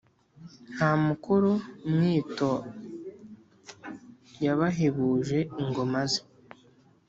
nta mukoro mwito yabahebuje ingoma ze.